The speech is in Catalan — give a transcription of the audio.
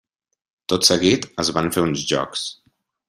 Tot seguit es van fer uns jocs.